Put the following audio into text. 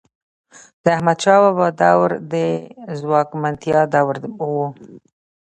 د احمدشاه بابا دور د ځواکمنتیا دور و.